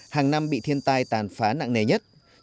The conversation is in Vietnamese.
hàng năm bị thiên tai tàn phá nặng nề nhất